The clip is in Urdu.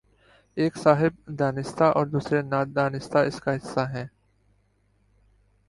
ایک صاحب دانستہ اور دوسرے نادانستہ اس کا حصہ ہیں۔